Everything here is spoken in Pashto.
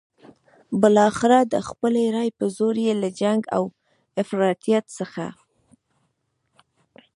بالاخره د خپلې رايې په زور یې له جنګ او افراطیت څخه.